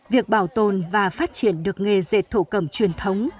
việc bảo tồn và phát triển được nghề dệt thổ cẩm truyền thống